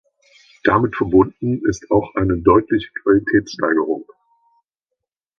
Damit verbunden ist auch eine deutliche Qualitätssteigerung.